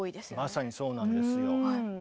まさにそうなんですよ。